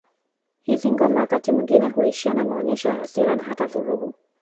Hizi ngoma wakati mwingine huishia na maonyesho ya hasira na hata vurugu